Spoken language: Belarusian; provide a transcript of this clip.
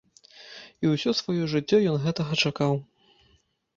І ўсё сваё жыццё ён гэтага чакаў.